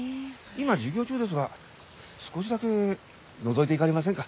今授業中ですが少しだけのぞいていかれませんか？